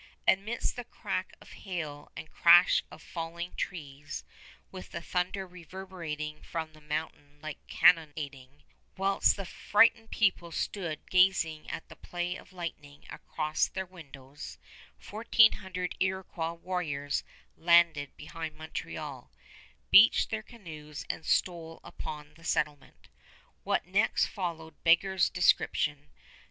Amidst the crack of hail and crash of falling trees, with the thunder reverberating from the mountain like cannonading, whilst the frightened people stood gazing at the play of lightning across their windows, fourteen hundred Iroquois warriors landed behind Montreal, beached their canoes, and stole upon the settlement. What next followed beggars description.